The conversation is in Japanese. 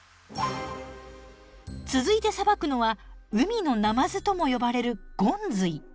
続いてさばくのは海のナマズとも呼ばれるゴンズイ。